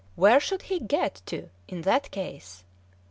Where should he get to in that case?